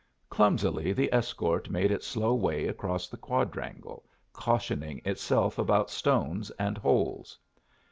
Clumsily the escort made its slow way across the quadrangle, cautioning itself about stones and holes.